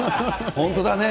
本当だね。